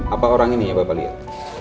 apa orang ini yang bapak lihat